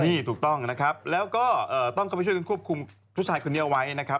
นี่ถูกต้องนะครับแล้วก็ต้องเข้าไปช่วยกันควบคุมผู้ชายคนนี้เอาไว้นะครับ